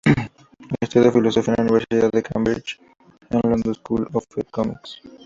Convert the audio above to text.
Estudió Filosofía en la Universidad de Cambridge y el London School of Economics.